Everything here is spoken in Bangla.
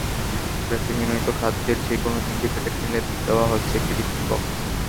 ব্র্যাকের হিমায়িত খাদ্যের যেকোনো তিনটি প্যাকেট কিনলে দেওয়া হচ্ছে একটি টিফিন বক্স।